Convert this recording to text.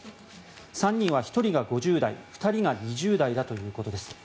３人は１人が５０代２人が２０代だということです。